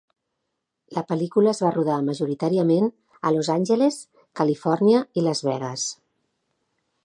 La pel·lícula es va rodar majoritàriament a Los Angeles, Califòrnia i Las Vegas.